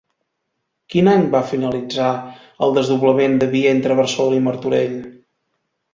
Quin any va finalitzar el desdoblament de via entre Barcelona i Martorell?